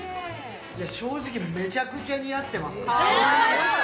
正直めちゃくちゃ似合ってますね。